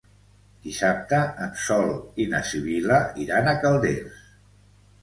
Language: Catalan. Dissabte en Sol i na Sibil·la iran a Calders.